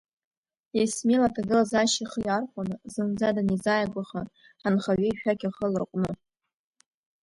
Исмил аҭагылазаашьа ихы иархәаны зынӡа данизааигәаха, анхаҩы ишәақь ахы ларҟәны…